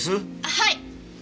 はい！